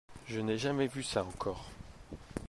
Je n’ai jamais vu ça encore.